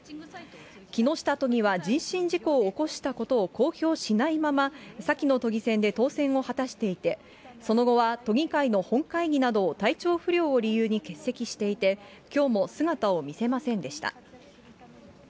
木下都議は人身事故を起こしたことを公表しないまま、先の都議選で当選を果たしていて、その後は都議会の本会議などを体調不良を理由に欠席していて、きょうも姿を見せませんでした。